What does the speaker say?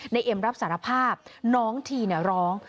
นายเอ็มรับสารภาพน้องทีร้อง